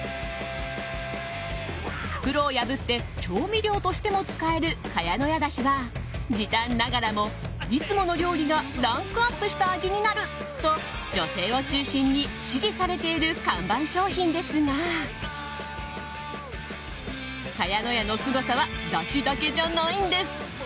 袋を破って調味料としても使える茅乃舎だしは時短ながらもいつもの料理がランクアップした味になると女性を中心に支持されている看板商品ですが茅乃舎のすごさはだしだけじゃないんです。